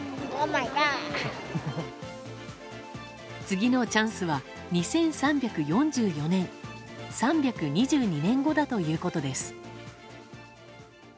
次のチャンスは２３４４年３２２年後だということです。